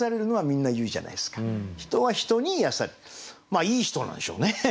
まあいい人なんでしょうね。